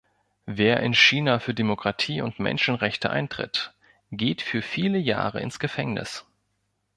Wer in China für Demokratie und Menschenrechte eintritt, geht für viele Jahre ins Gefängnis.